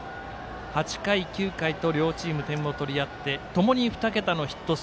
８回、９回と両チーム点を取り合ってともに２桁のヒット数。